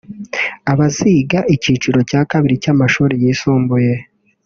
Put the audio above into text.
abaziga icyikiro cya kabiri cy’amashuri y’isumbuye